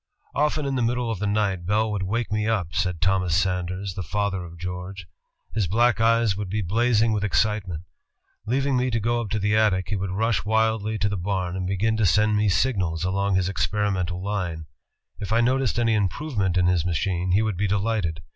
"Often in the middle of the night Bell would wake me up," said Thomas Sanders, the father of George. "His black eyes would be blazing with excitement. Leaving me to go up to the attic, he would rush wildly to the bam and begin to send me signals along his experimental line. If I noticed any improvement in his machine, he would be delighted.